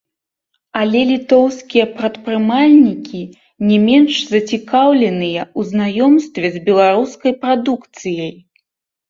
Але літоўскія прадпрымальнікі не менш зацікаўленыя ў знаёмстве з беларускай прадукцыяй.